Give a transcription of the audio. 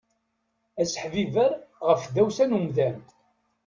Aseḥbiber ɣef tdawsa n umdan.